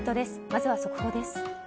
まずは速報です。